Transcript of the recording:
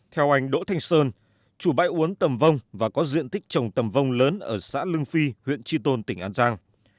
theo anh đỗ thanh sơn chủ bãi uốn tầm vong và có diện tích trồng tầm vong lớn ở xã lương phi huyện tri tôn tỉnh an giang